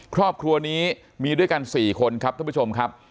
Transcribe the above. ครอบครัวนี้มีด้วยกัน๔คนครับท่านผู้ชมครับ